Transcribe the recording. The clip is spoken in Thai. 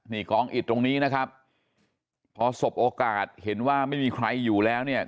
นี่กองอิดตรงนี้นะครับพอสบโอกาสเห็นว่าไม่มีใครอยู่แล้วเนี่ย